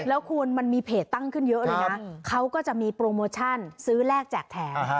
แล้วคุณมันมีเพจตั้งขึ้นเยอะเลยนะเขาก็จะมีโปรโมชั่นซื้อแรกแจกแถม